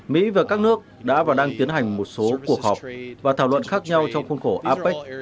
mỹ và các nước đã và đang tiến hành một số cuộc họp và thảo luận khác nhau trong khuôn khổ apec